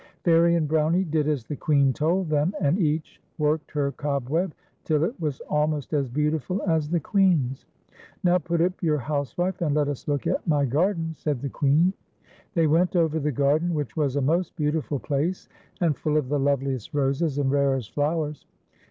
Fairie and Brownie did as the Queen told them, and each worked her cobweb till it was almost as beautiful as the Queen's. " Xow put up your housewife, and let us look at m) garden," said the Queen. i82 FAIRIE AND BROWNIE. They went over the garden, which was a most beautiful place, and full of the loveliest roses and rarest flowers.